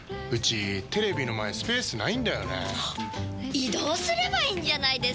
移動すればいいんじゃないですか？